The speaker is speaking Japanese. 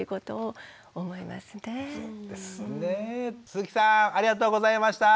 鈴木さんありがとうございました。